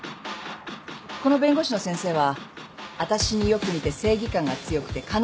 この弁護士の先生はわたしによく似て正義感が強くてかなりの切れ者。